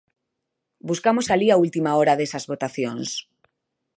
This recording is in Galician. Buscamos alí a última hora desas votacións.